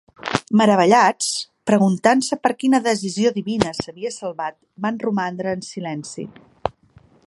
Meravellats, preguntant-se per quina decisió divina s'havia salvat, van romandre en silenci.